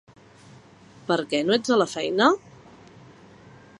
Per què no ets a la feina?